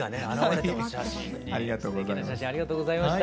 すてきな写真ありがとうございました。